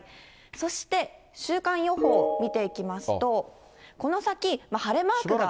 そして週間予報、見ていきますと、この先、晴れマークが。